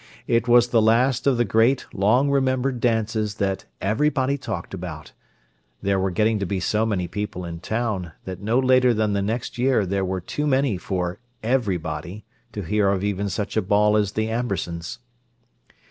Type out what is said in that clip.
It was the last of the great, long remembered dances that "everybody talked about"—there were getting to be so many people in town that no later than the next year there were too many for "everybody" to hear of even such a ball as the Ambersons'.